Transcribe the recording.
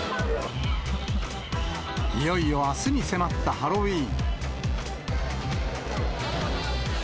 いよいよあすに迫ったハロウィーン。